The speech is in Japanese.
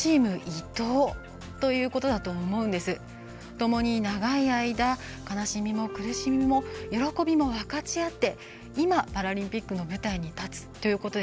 ともに長い間、悲しみも苦しみも喜びも分かち合って今、パラリンピックの舞台に立つということですよね。